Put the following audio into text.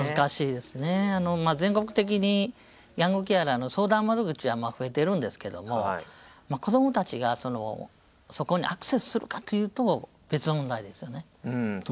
全国的にヤングケアラーの相談窓口は増えてるんですけども子どもたちがそこにアクセスするかというと別の問題ですよね。